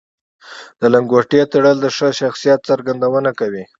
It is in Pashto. د لنګوټې تړل د ښه شخصیت څرګندونه کوي